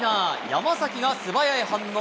山崎が素早い反応。